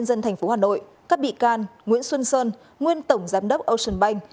dân thành phố hà nội các bị can nguyễn xuân sơn nguyên tổng giám đốc ocean bank